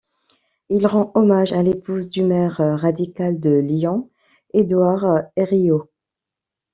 Il rend hommage à l'épouse du maire radical de Lyon, Édouard Herriot.